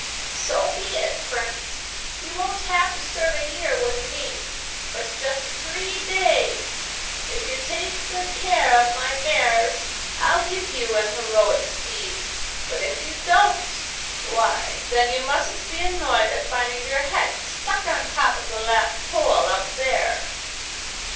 'So be it, Prince! You won't have to serve a year with me, but just three days. If you take good care of my mares, I'll give you an heroic steed. But if you don't—why, then you mustn't be annoyed at finding your head stuck on top of the last pole up there.